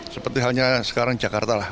seperti halnya sekarang jakarta lah